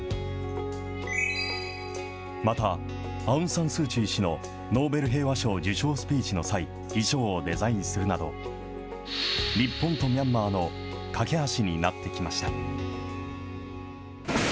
また、アウン・サン・スー・チー氏のノーベル平和賞受賞スピーチの際、衣装をデザインするなど、日本とミャンマーの懸け橋になってきました。